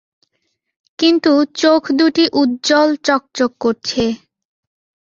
কিন্তু চোখ দুটি উজ্জ্বল চকচক করছে।